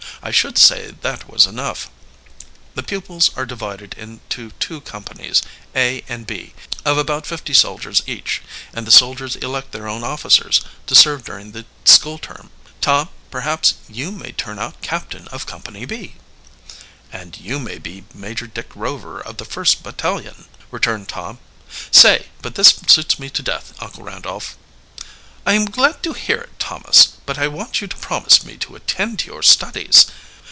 "I should say that was enough. The pupils are divided into two companies, A and B, of about fifty soldiers each; and the soldiers elect their own officers, to serve during the school term. Tom, perhaps you may turn out captain of Company B." "And you may be Major Dick Rover of the first battalion," returned Tom. "Say, but this suits me to death, Uncle Randolph." "I am glad to hear it, Thomas. But I want you to promise me to attend to your studies.